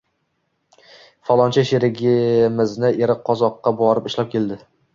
-Falonchi sherigimizni eri qozoqqa borib ishlab keldi